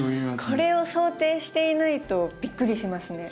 これを想定していないとびっくりしますね。